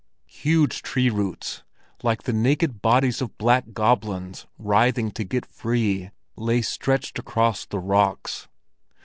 Huge tree roots, like the naked bodies of black goblins writhing to get free, lay stretched across the rocks.